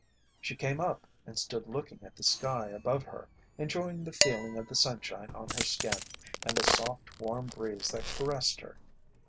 She came up and stood looking at the sky above her, enjoying the feeling of the sunshine on her skin, and the soft, warm breeze that caressed her.